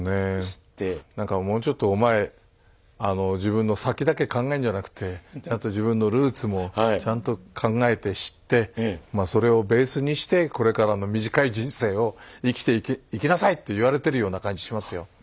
なんかもうちょっとお前自分の先だけ考えるんじゃなくてちゃんと自分のルーツもちゃんと考えて知ってまあそれをベースにしてこれからの短い人生を生きていきなさいと言われてるような感じしますよ。